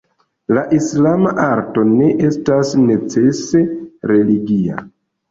La islama arto ne estas necese religia.